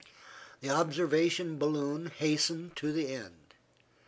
The observation balloon hastened the end.